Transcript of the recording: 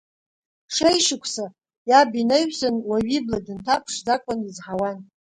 Шеишықәса иаб инаҩсан уаҩы ибла дынҭамԥшӡакәа изҳауан.